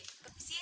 kamu ke rumah